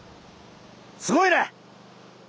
すごいね！